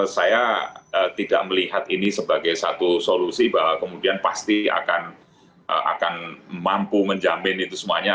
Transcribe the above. saya tidak melihat ini sebagai satu solusi bahwa kemudian pasti akan mampu menjamin itu semuanya